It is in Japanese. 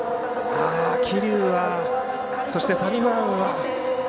桐生は、そしてサニブラウンは。